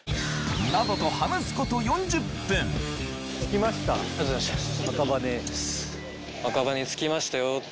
などと話すこと４０分ありがとうございました。